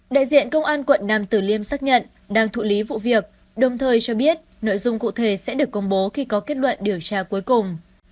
đại diện công an quận nam tử liêm xác nhận đang thụ lý vụ việc đồng thời cho biết nội dung cụ thể sẽ được công bố khi có kết luận điều tra cuối cùng